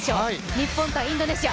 日本×インドネシア。